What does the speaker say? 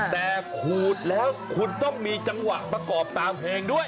แต่ขูดแล้วคุณต้องมีจังหวะประกอบตามเพลงด้วย